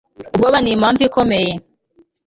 Ubwoba nimpamvu ikomeye